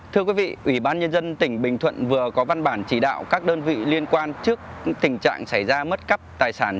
thưa quý vị ủy ban nhân dân tỉnh bình thuận vừa có văn bản chỉ đạo các đơn vị liên quan trước tình trạng xảy ra mất cắp tài sản